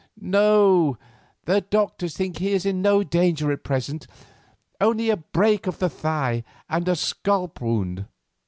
"No; the doctor thinks in no danger at present; only a break of the thigh and a scalp wound.